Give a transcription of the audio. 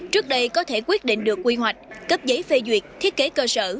trước đây có thể quyết định được quy hoạch cấp giấy phê duyệt thiết kế cơ sở